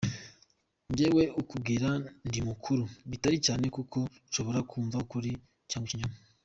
Jyewe ukubwira ndimukuru bitari cyane kuko nshobora kumva ukuri cyangwa ibinyoma.